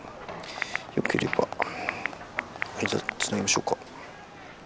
よければ間をつなぎましょうか？」。